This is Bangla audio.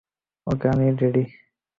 ওকে, আমরা রেডি!